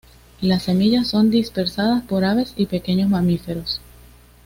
Las semillas son dispersadas por aves y pequeños mamíferos.